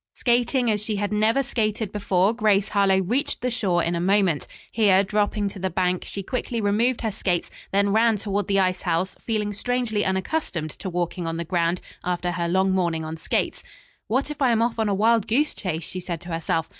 Skating as she had never skated before, Grace Harlowe reached the shore in a moment. Here, dropping to the bank, she quickly removed her skates, then ran toward the ice house, feeling strangely unaccustomed to walking on the ground after her long morning on skates. "What if I am off on a wild goose chase?" she said to herself.